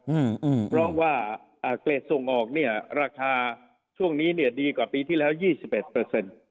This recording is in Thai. อืมเพราะว่าอ่าเกรดส่งออกเนี้ยราคาช่วงนี้เนี่ยดีกว่าปีที่แล้วยี่สิบเอ็ดเปอร์เซ็นต์